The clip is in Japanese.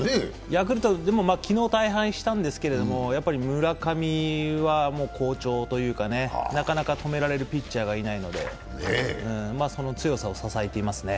ヤクルトも昨日、大敗したんですけれども村上は好調というかなかなか止められるピッチャーがいないので、その強さを支えていますね。